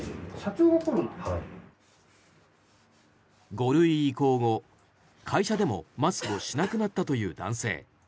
５類移行、会社でもマスクをしなくなったという男性。